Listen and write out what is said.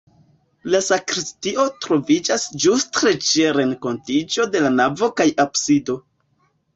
La sakristio troviĝas ĝustr ĉe renkontiĝo de navo kaj absido.